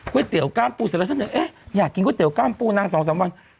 ก๋วยเตี๋ยวก้ามปูเสร็จแล้วจะแน่เอ๊ะอยากกินก๋วยเตี๋ยวก้ามปูน่าสองสามวัน